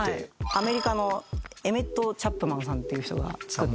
アメリカのエメット・チャップマンさんっていう人が作った。